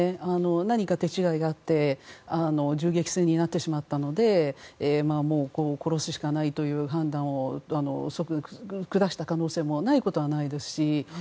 何か手違いがあって銃撃戦になってしまったので殺すしかないという判断を下した可能性もないことはないですし。